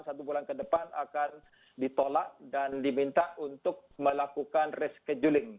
satu bulan ke depan akan ditolak dan diminta untuk melakukan rescheduling